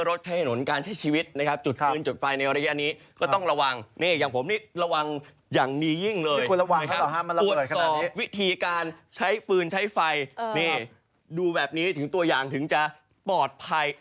ระวังอย่างนี้ยิ่งเลยนะครับตรวจสอบวิธีการใช้ฟืนใช้ไฟนี่ดูแบบนี้ถึงตัวอย่างถึงจะปลอดภัย